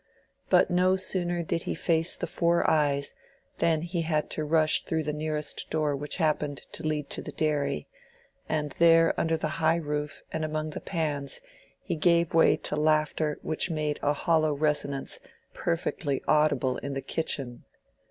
But no sooner did he face the four eyes than he had to rush through the nearest door which happened to lead to the dairy, and there under the high roof and among the pans he gave way to laughter which made a hollow resonance perfectly audible in the kitchen.